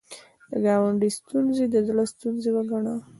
د ګاونډي ستونزه د زړه ستونزه وګڼه